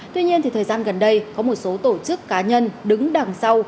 tuy nhiên thời gian gần đây có một số tổ chức cá nhân đứng đằng sau